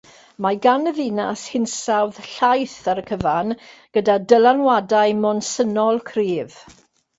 Mae gan y ddinas hinsawdd llaith ar y cyfan gyda dylanwadau monsynol cryf.